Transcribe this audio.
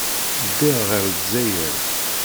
Ddiɣ ɣer Lezzayer.